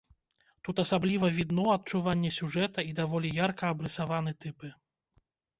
Тут асабліва відно адчуванне сюжэта і даволі ярка абрысаваны тыпы.